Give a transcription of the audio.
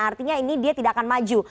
artinya ini dia tidak akan maju